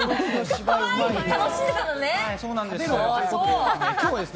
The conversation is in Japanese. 楽しんでたのね。